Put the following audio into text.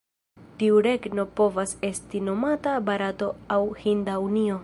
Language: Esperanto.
Tiu regno povas esti nomata "Barato" aŭ "Hinda Unio".